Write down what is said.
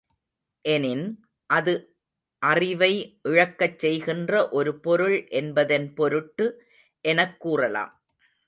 எனின், அது அறிவை இழக்கச் செய்கின்ற ஒரு பொருள் என்பதன் பொருட்டு எனக் கூறலாம்.